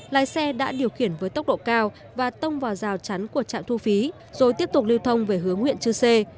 lái xe đã điều khiển với tốc độ cao và tông vào rào chắn của trạm thu phí rồi tiếp tục lưu thông về hướng huyện chư sê